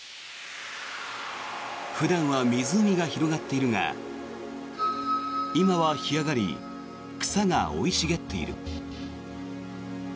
普段は湖が広がっているが今は干上がり草が生い茂っている。